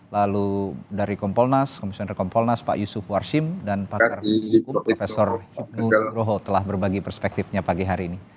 lalu dari kompolnas komisioner kompolnas pak yusuf warsim dan pakar hukum prof hipnu roho telah berbagi perspektifnya pagi hari ini